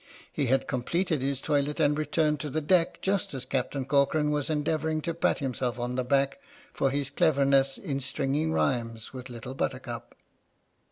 He had completed his toilet and returned to the deck just as Captain Corcoran was endeavouring to pat himself on the back for his cleverness in stringing rhymes with Little Buttercup.